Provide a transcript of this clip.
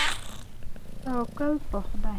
توکل په خدای.